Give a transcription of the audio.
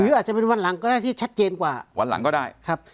อาจจะเป็นวันหลังก็ได้ที่ชัดเจนกว่าวันหลังก็ได้ครับ